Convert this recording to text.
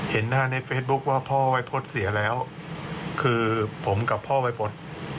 เห็นหน้าในเฟซบุ๊คว่าพ่อวัยพจน์เสียแล้วคือผมกับพ่อวัยพฤษ